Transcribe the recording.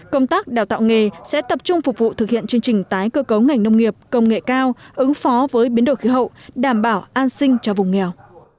công tác đào tạo nghề sẽ tập trung phục vụ thực hiện chương trình tái cơ cấu ngành nông nghiệp công nghệ cao ứng phó với biến đổi khí hậu đảm bảo an sinh cho vùng nghèo